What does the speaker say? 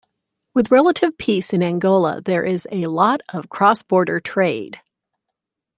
With relative peace in Angola there is a lot of cross border trade.